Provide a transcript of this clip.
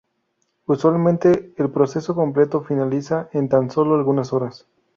Usualmente el proceso completo finaliza en tan sólo algunas horas.